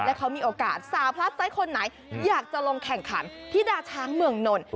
และเขามีโอกาสสาวพลัสไซต์คนไหนอยากจะลงแข่งขันที่ดาช้างเมืองนนท์